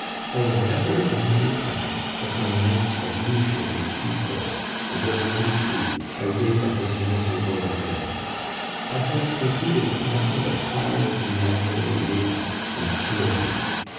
I am bet ter in the day time, but my nights are usually sleepless, and when I do sleep, I wake up as miserable as ever. I have concluded that nothing but hard manual labor can cure me.